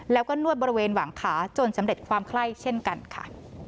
แล้วก็นวดบริเวณหวังขาจนสำเร็จความไข้เช่นกันค่ะ